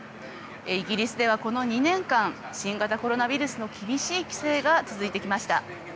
イギリスでは、この２年間新型コロナウイルスの厳しい規制が続いてきました。